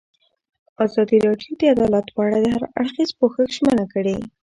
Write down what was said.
ازادي راډیو د عدالت په اړه د هر اړخیز پوښښ ژمنه کړې.